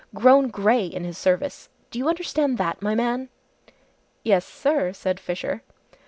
Grown grey in his service! Do you understand that, my man!" "Yes, sir," said Fisher.